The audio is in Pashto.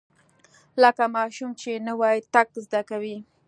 لکه ماشوم چې نوى تګ زده کوي.